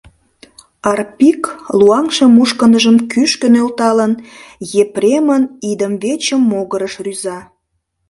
Арпик, луаҥше мушкындыжым кӱшкӧ нӧлталын, Епремын идымвече могырыш рӱза.